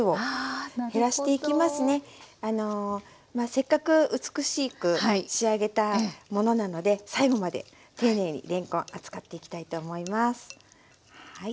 せっかく美しく仕上げたものなので最後まで丁寧にれんこん扱っていきたいと思います。